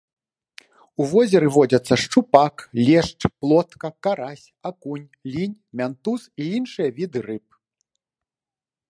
У возеры водзяцца шчупак, лешч, плотка, карась, акунь, лінь, мянтуз і іншыя віды рыб.